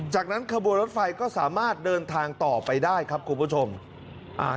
จากนั้นขบวนรถไฟก็สามารถเดินทางต่อไปได้ครับคุณผู้ชมอ่า